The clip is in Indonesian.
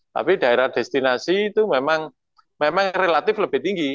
tapi daerah destinasi itu memang relatif lebih tinggi